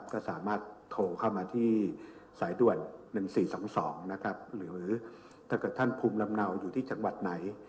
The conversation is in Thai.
ก็สามารถโทรเข้ามาที่สายด่วน๑๔๒๒นะครับหรือถ้าเกิดท่านภูมิลำเนาอยู่ที่จังหวัดไหน